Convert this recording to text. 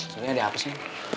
sebenernya ada apa sih